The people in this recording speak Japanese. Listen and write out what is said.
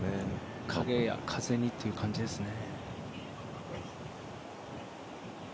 影や風にという感じですね。